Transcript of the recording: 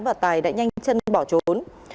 và tài đã nhanh chân bỏ trốn